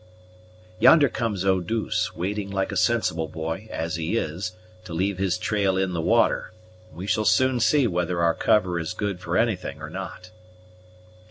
yonder comes Eau douce, wading, like a sensible boy, as he is, to leave his trail in the water; and we shall soon see whether our cover is good for anything or not."